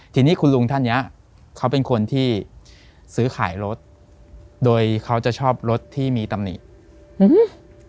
ทีนี้คุณลุงท่านเนี้ยเขาเป็นคนที่ซื้อขายรถโดยเขาจะชอบรถที่มีตำหนิอืม